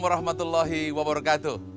assalamualaikum wr wb